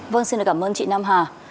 vâng xin cảm ơn chị nam hà